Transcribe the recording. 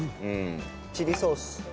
チリソース。